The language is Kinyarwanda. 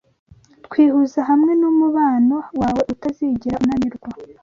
Twihuza hamwe numubano wawe utazigera unanirwa